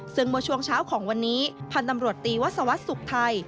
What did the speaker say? ซึ่งเมื่อช่วงเช้าของวันนี้พันธ์ตำรวจตีวัศวรรษสุขไทย